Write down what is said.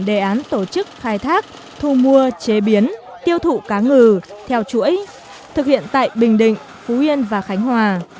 đề án tổ chức khai thác thu mua chế biến tiêu thụ cá ngừ theo chuỗi thực hiện tại bình định phú yên và khánh hòa